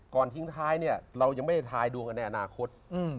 ก่อนทิ้งท้ายเนี่ยเรายังไม่ท้ายดวงแอนาคต